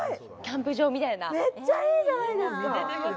すごいめっちゃいいじゃないですか！